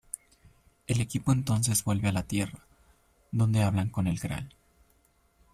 El equipo entonces vuelve a la Tierra, donde hablan con el Gral.